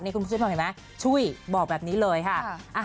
คุณผู้ชมเห็นไหมช่วยบอกแบบนี้เลยค่ะ